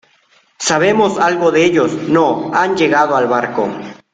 ¿ sabemos algo de ellos? no, han llegado al barco